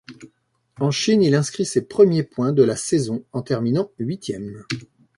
En Chine, il inscrit ses premiers points de la saison en terminant huitième.